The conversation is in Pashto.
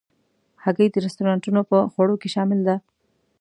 هګۍ د رستورانتو په خوړو کې شامل ده.